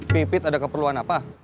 pipit ada keperluan apa